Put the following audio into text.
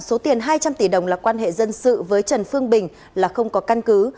số tiền hai trăm linh tỷ đồng là quan hệ dân sự với trần phương bình là không có căn cứ